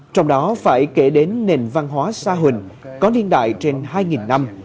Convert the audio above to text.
trong đó phải kể đến nền văn hóa sa huỳnh có niên đại trên hai năm